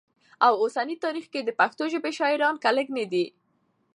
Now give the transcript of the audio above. او اوسني تاریخ کي د پښتو ژبې شاعران که لږ نه دي